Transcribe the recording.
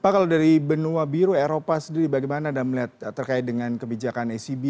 pak kalau dari benua biru eropa sendiri bagaimana anda melihat terkait dengan kebijakan acb